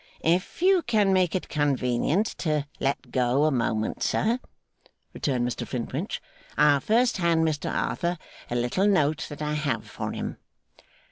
'If you can make it convenient to let go a moment, sir,' returned Mr Flintwinch, 'I'll first hand Mr Arthur a little note that I have for him.